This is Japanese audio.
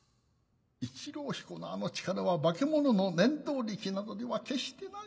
一郎彦のあの力はバケモノの念動力などでは決してない